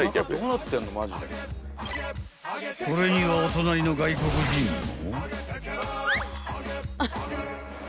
［これにはお隣の外国人も］